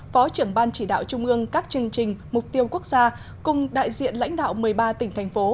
phó trưởng ban chỉ đạo trung ương các chương trình mục tiêu quốc gia cùng đại diện lãnh đạo một mươi ba tỉnh thành phố